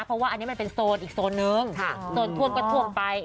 เพราะว่าอันนี้มันเป็นโซนอีกโซนนึงโซนท่วมก็ท่วมไป